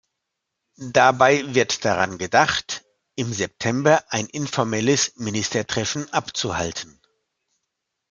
Dabei wird daran gedacht, im September ein informelles Ministertreffen abzuhalten.